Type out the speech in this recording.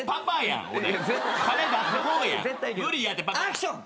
アクション！